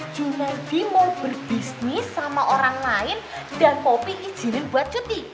juna edy mau berbisnis sama orang lain dan poppy izinin buat cuti